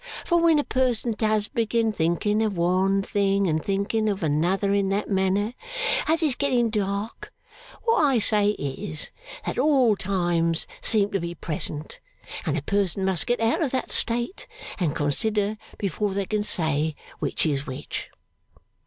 For when a person does begin thinking of one thing and thinking of another in that manner, as it's getting dark, what I say is, that all times seem to be present, and a person must get out of that state and consider before they can say which is which.